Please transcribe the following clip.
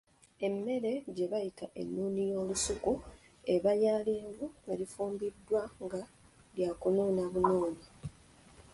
Emmere gye bayita ennuuni y'olusuku eba ya lyenvu erifumbiddwa nga lyakunuuna bunuunyi.